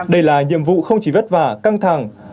đây là nhiệm vụ không chỉ vất vả căng thẳng